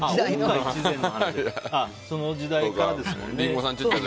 その時代からですもんね。